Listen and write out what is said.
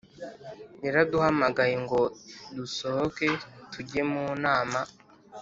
Yaraduhamagaye ngo dusohoke tujye mu nama